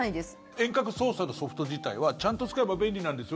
遠隔操作のソフト自体はちゃんと使えば便利なんですよ。